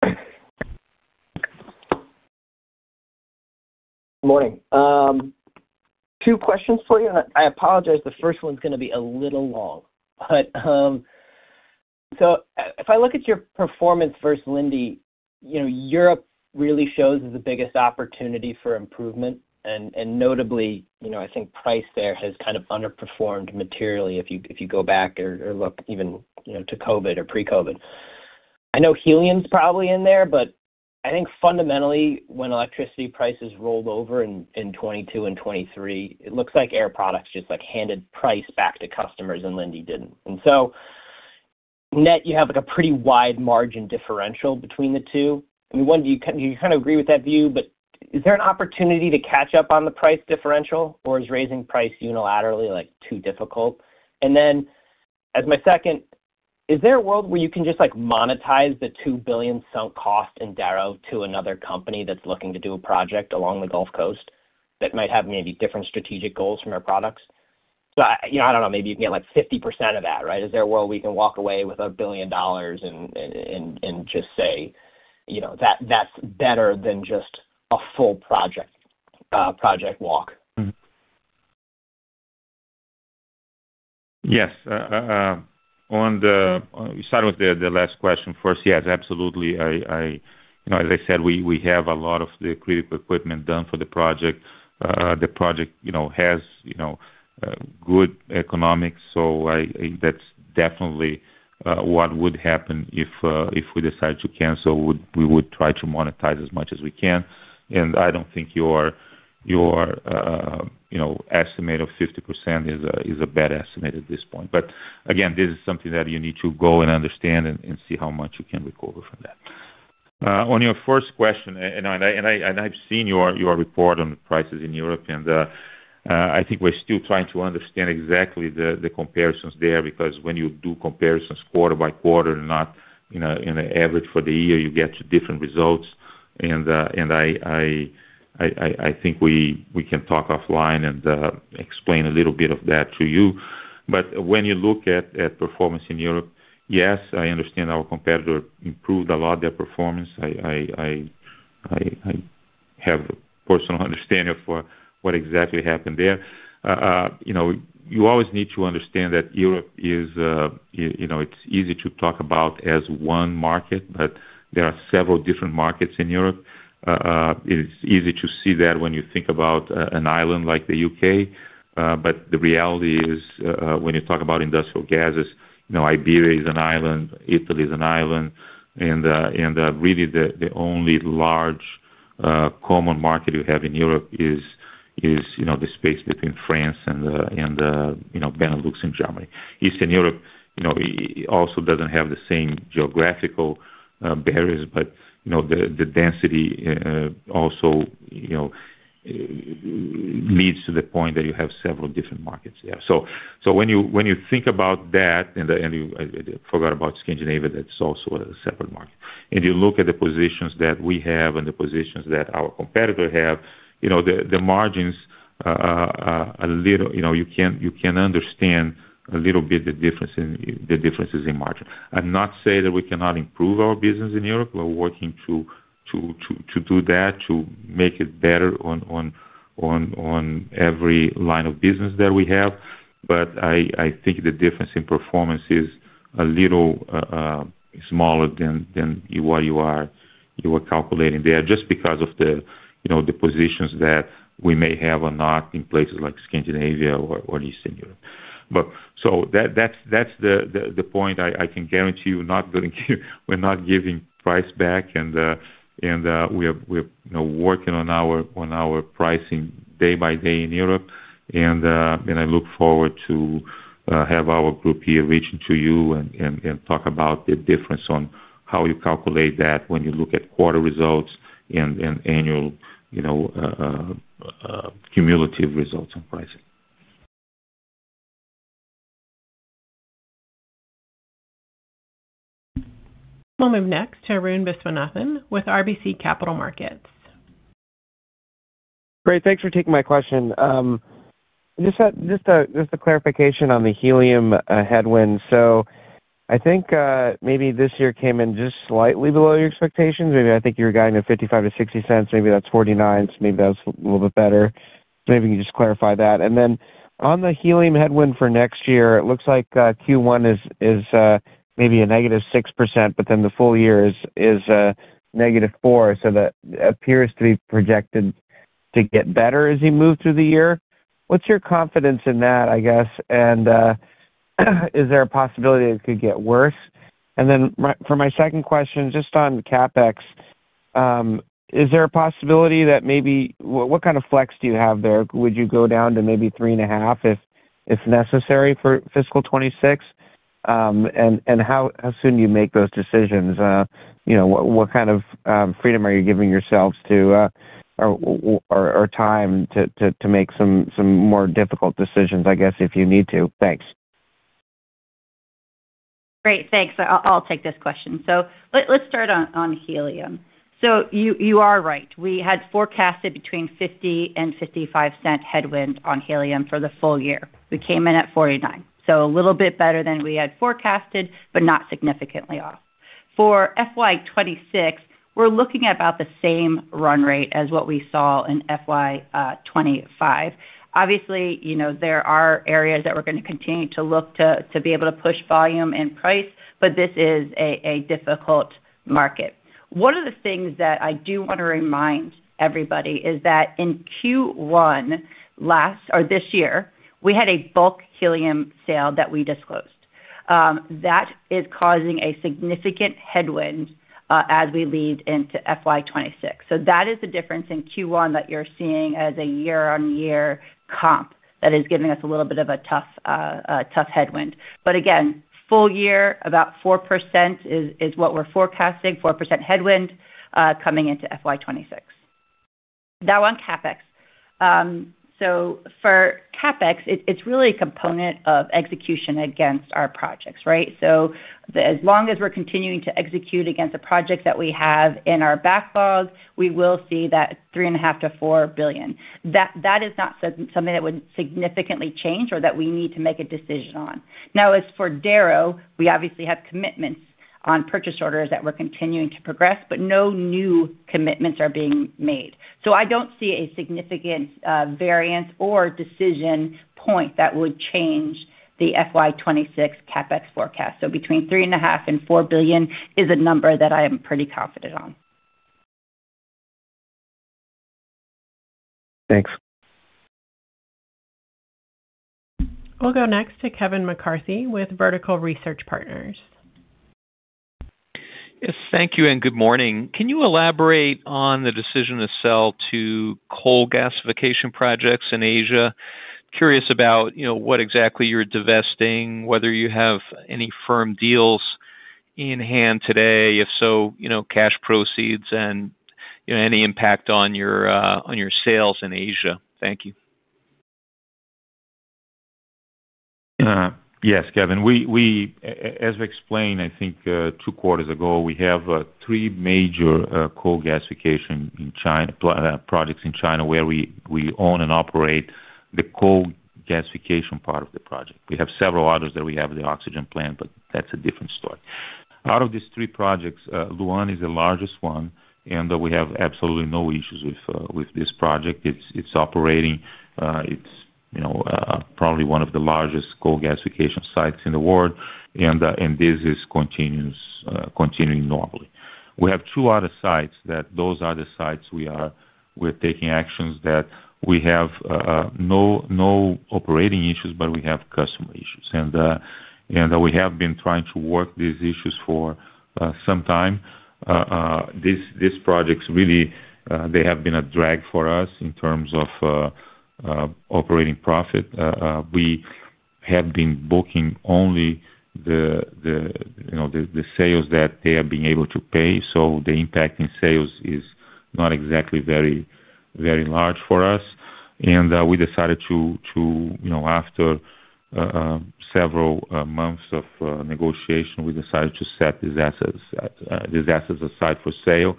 Good morning. Two questions for you. I apologize. The first one's going to be a little long. If I look at your performance versus Linde, Europe really shows as the biggest opportunity for improvement. Notably, I think price there has kind of underperformed materially if you go back or look even to COVID or pre-COVID. I know helium's probably in there, but I think fundamentally, when electricity prices rolled over in 2022 and 2023, it looks like Air Products just handed price back to customers and Linde didn't. Net, you have a pretty wide margin differential between the two. I mean, one, do you kind of agree with that view? Is there an opportunity to catch up on the price differential, or is raising price unilaterally too difficult? As my second, is there a world where you can just monetize the $2 billion sunk cost in Darrow to another company that's looking to do a project along the Gulf Coast that might have maybe different strategic goals from Air Products? I don't know. Maybe you can get like 50% of that, right? Is there a world we can walk away with $1 billion and just say that's better than just a full project walk? Yes. I'll start with the last question first. Yes, absolutely. As I said, we have a lot of the critical equipment done for the project. The project has good economics. That is definitely what would happen if we decide to cancel. We would try to monetize as much as we can. I do not think your estimate of 50% is a bad estimate at this point. Again, this is something that you need to go and understand and see how much you can recover from that. On your first question, I have seen your report on prices in Europe, and I think we are still trying to understand exactly the comparisons there because when you do comparisons quarter by quarter and not in an average for the year, you get different results. I think we can talk offline and explain a little bit of that to you. When you look at performance in Europe, yes, I understand our competitor improved a lot their performance. I have a personal understanding of what exactly happened there. You always need to understand that Europe is easy to talk about as one market, but there are several different markets in Europe. It's easy to see that when you think about an island like the U.K. The reality is when you talk about industrial gases, Iberia is an island, Italy is an island. Really, the only large common market you have in Europe is the space between France and Benelux in Germany. Eastern Europe also does not have the same geographical barriers, but the density also leads to the point that you have several different markets there. When you think about that, and I forgot about Scandinavia, that's also a separate market. You look at the positions that we have and the positions that our competitor have, the margins. You can understand a little bit the differences in margin. I'm not saying that we cannot improve our business in Europe. We're working to do that to make it better on every line of business that we have. I think the difference in performance is a little smaller than what you are calculating there just because of the positions that we may have or not in places like Scandinavia or Eastern Europe. That's the point. I can guarantee you we're not giving price back, and we're working on our pricing day by day in Europe. I look forward to have our group here reach into you and talk about the difference on how you calculate that when you look at quarter results and annual. Cumulative results on pricing. We'll move next to Arun Viswanathan with RBC Capital Markets. Great. Thanks for taking my question. Just a clarification on the helium headwind. I think maybe this year came in just slightly below your expectations. Maybe I think you were guiding at $0.55-$0.60. Maybe that's $0.49. Maybe that was a little bit better. Maybe you can just clarify that. On the helium headwind for next year, it looks like Q1 is maybe a -6%, but then the full year is -4%. That appears to be projected to get better as you move through the year. What's your confidence in that, I guess? Is there a possibility it could get worse? For my second question, just on CapEx. Is there a possibility that maybe, what kind of flex do you have there? Would you go down to maybe $3.5 billion if necessary for fiscal 2026? How soon do you make those decisions? What kind of freedom are you giving yourselves to, or time to make some more difficult decisions, I guess, if you need to? Thanks. Great. Thanks. I'll take this question. Let's start on helium. You are right. We had forecasted between $0.50 and $0.55 headwind on helium for the full year. We came in at $0.49. A little bit better than we had forecasted, but not significantly off. For FY 2026, we're looking at about the same run rate as what we saw in FY 2025. Obviously, there are areas that we're going to continue to look to be able to push volume and price, but this is a difficult market. One of the things that I do want to remind everybody is that in Q1, last or this year, we had a bulk helium sale that we disclosed. That is causing a significant headwind as we lead into FY 2026. That is the difference in Q1 that you're seeing as a year-on-year comp that is giving us a little bit of a tough headwind. Again, full year, about 4% is what we're forecasting, 4% headwind coming into FY 2026. Now on CapEx. For CapEx, it's really a component of execution against our projects, right? As long as we're continuing to execute against the projects that we have in our backlog, we will see that $3.5 billion-$4 billion. That is not something that would significantly change or that we need to make a decision on. As for Darrow, we obviously have commitments on purchase orders that we're continuing to progress, but no new commitments are being made. I do not see a significant variance or decision point that would change the FY 2026 CapEx forecast. Between $3.5 billion and $4 billion is a number that I am pretty confident on. Thanks. We'll go next to Kevin McCarthy with Vertical Research Partners. Yes. Thank you and good morning. Can you elaborate on the decision to sell two coal gasification projects in Asia? Curious about what exactly you're divesting, whether you have any firm deals in hand today. If so, cash proceeds and any impact on your sales in Asia. Thank you. Yes, Kevin. As I explained, I think two quarters ago, we have three major coal gasification projects in China where we own and operate the coal gasification part of the project. We have several others that we have the oxygen plant, but that's a different story. Out of these three projects, Lu'an is the largest one, and we have absolutely no issues with this project. It's operating. It's probably one of the largest coal gasification sites in the world, and this is continuing normally. We have two other sites. Those other sites, we're taking actions that we have. No operating issues, but we have customer issues. We have been trying to work these issues for some time. These projects, really, they have been a drag for us in terms of operating profit. We have been booking only the sales that they have been able to pay. The impact in sales is not exactly very large for us. We decided to, after several months of negotiation, set these assets aside for sale,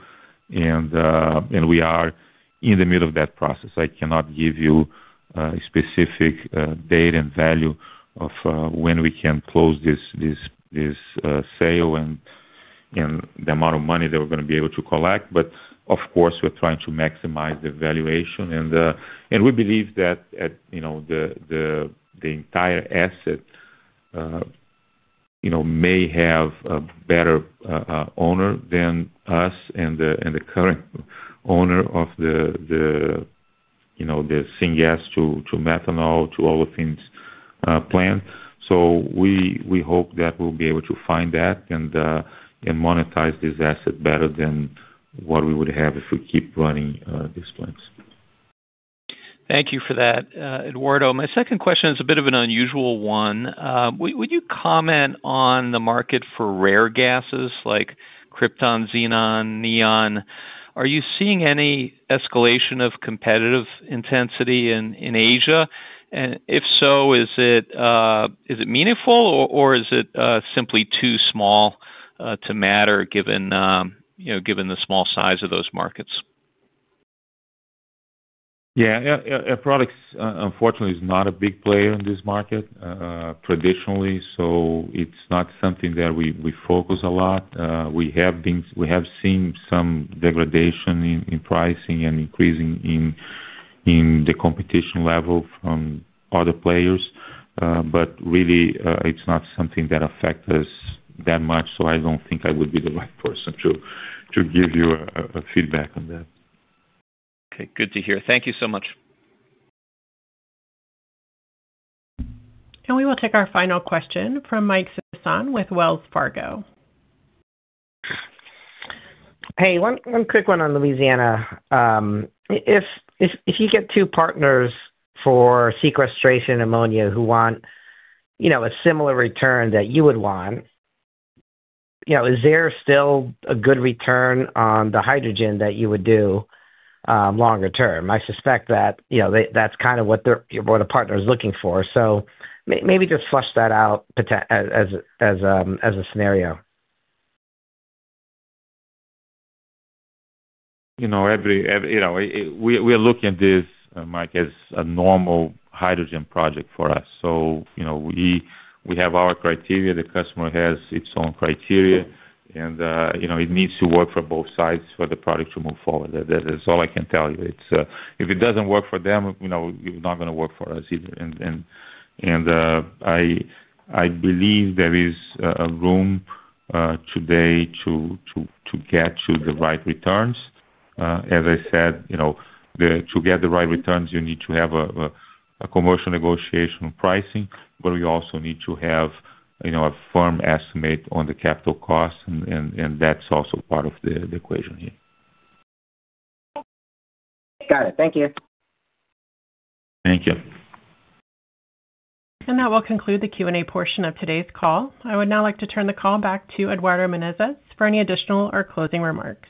and we are in the middle of that process. I cannot give you a specific date and value of when we can close this sale and the amount of money that we are going to be able to collect. Of course, we are trying to maximize the valuation, and we believe that the entire asset may have a better owner than us and the current owner of the syngas to methanol to all of these plants. We hope that we will be able to find that and monetize this asset better than what we would have if we keep running these plants. Thank you for that, Eduardo. My second question is a bit of an unusual one. Would you comment on the market for rare gases like krypton, xenon, neon? Are you seeing any escalation of competitive intensity in Asia? If so, is it meaningful, or is it simply too small to matter given the small size of those markets? Yeah. Air Products, unfortunately, is not a big player in this market, traditionally. So it's not something that we focus a lot. We have seen some degradation in pricing and increasing in the competition level from other players. Really, it's not something that affects us that much. I don't think I would be the right person to give you feedback on that. Okay. Good to hear. Thank you so much. We will take our final question from [Mike Sasson] with Wells Fargo. Hey, one quick one on Louisiana. If you get two partners for sequestration ammonia who want a similar return that you would want, is there still a good return on the hydrogen that you would do longer term? I suspect that that's kind of what the partner is looking for, so maybe just flush that out as a scenario. We are looking at this, Mike, as a normal hydrogen project for us. We have our criteria. The customer has its own criteria. It needs to work for both sides for the product to move forward. That is all I can tell you. If it does not work for them, it is not going to work for us either. I believe there is a room today to get to the right returns. As I said, to get the right returns, you need to have a commercial negotiation on pricing, but we also need to have a firm estimate on the capital costs. That is also part of the equation here. Got it. Thank you. Thank you. That will conclude the Q&A portion of today's call. I would now like to turn the call back to Eduardo Menezes for any additional or closing remarks.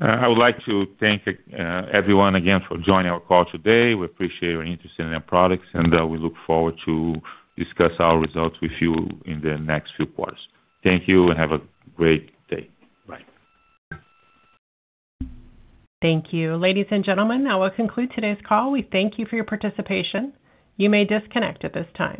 I would like to thank everyone again for joining our call today. We appreciate your interest in our products, and we look forward to discuss our results with you in the next few quarters. Thank you and have a great day. Bye. Thank you. Ladies and gentlemen, I will conclude today's call. We thank you for your participation. You may disconnect at this time.